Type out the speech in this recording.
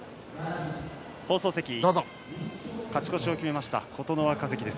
勝ち越しを決めました琴ノ若関です。